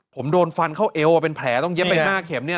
ผมโดนฟันเข้าเอวเป็นแผลต้องเย็บไป๕เข็มเนี่ย